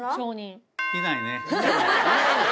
いないね。